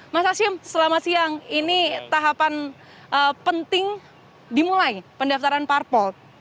mas hashim selama siang ini tahapan penting dimulai pendaftaran parpol